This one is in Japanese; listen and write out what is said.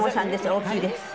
大きいです」